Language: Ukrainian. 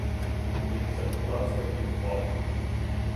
Він захитався і впав.